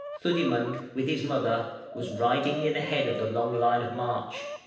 Theudimund, with his mother, was riding near the head of the long line of march.